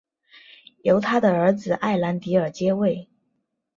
由他的儿子埃兰迪尔接位。